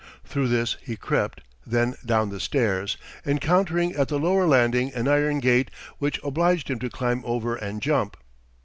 Through this he crept, then down the stairs, encountering at the lower landing an iron gate which obliged him to climb over and jump.